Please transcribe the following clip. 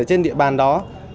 ở trên địa bàn đó